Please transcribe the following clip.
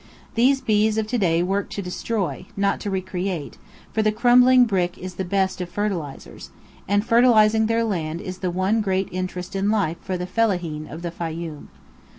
These bees of to day worked to destroy, not to recreate, for the crumbling brick is the best of fertilizers and fertilizing their land is the one great interest in life for the Fellaheen of the Fayoum.